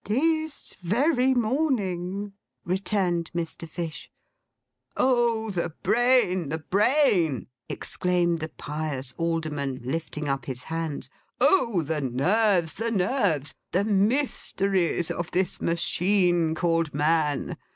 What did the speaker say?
'This very morning,' returned Mr. Fish. 'Oh the brain, the brain!' exclaimed the pious Alderman, lifting up his hands. 'Oh the nerves, the nerves; the mysteries of this machine called Man!